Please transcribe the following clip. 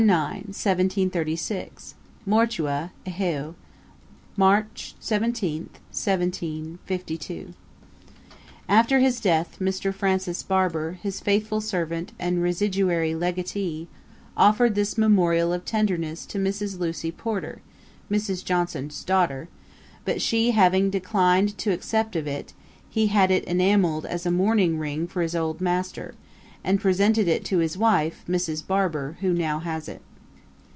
9° 1736, Mortua, eheu! Mart. 17° 1752. After his death, Mr. Francis Barber, his faithful servant and residuary legatee, offered this memorial of tenderness to Mrs. Lucy Porter, Mrs. Johnson's daughter; but she having declined to accept of it, he had it enamelled as a mourning ring for his old master, and presented it to his wife, Mrs. Barber, who now has it.